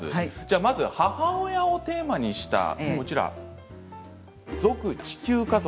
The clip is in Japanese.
まずは母親をテーマにした「続・地球家族」。